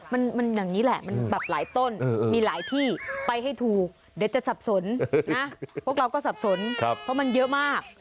มันอย่างนี้แหละมันแบบหลายต้นมีหลายที่ไปให้ถูกเดี๋ยวจะสับสนนะพวกเราก็สับสนเพราะมันเยอะมาก